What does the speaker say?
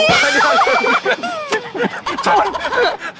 นี่